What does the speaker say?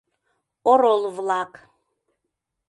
Орол-влак.